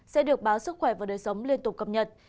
sẽ được báo sức khỏe và đời sống liên tục cập nhật